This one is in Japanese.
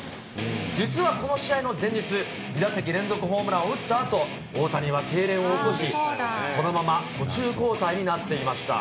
実はこの試合の前日、２打席連続ホームランを打ったあと、大谷はけいれんを起こし、そのまま途中交代になっていました。